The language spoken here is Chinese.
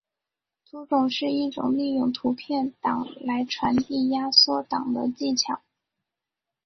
图种是一种利用图片档来传递压缩档的技巧。